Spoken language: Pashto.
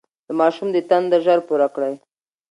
د ماشوم د تنده ژر پوره کړئ.